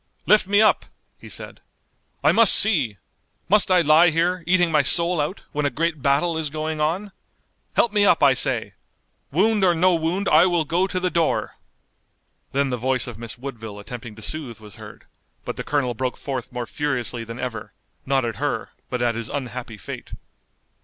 "Lift me up!" he said, "I must see! Must I lie here, eating my soul out, when a great battle is going on! Help me up, I say! Wound or no wound, I will go to the door!" Then the voice of Miss Woodville attempting to soothe was heard, but the colonel broke forth more furiously than ever, not at her, but at his unhappy fate.